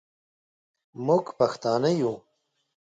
موږ پښتانه یو.